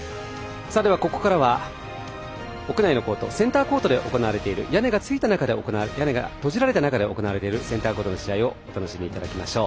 ここからは屋内のコートセンターコートで行われている、屋根が閉じられた中で行われているセンターコートの試合をお楽しみいただきましょう。